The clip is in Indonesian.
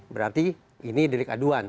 berarti ini dirik aduan